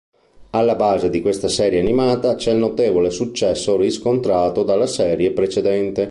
Alla base di questa serie animata c'è il notevole successo riscontrato dalla serie precedente.